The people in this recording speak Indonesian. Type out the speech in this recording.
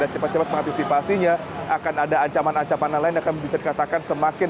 cepat cepat mengantisipasinya akan ada ancaman ancaman lain akan bisa dikatakan semakin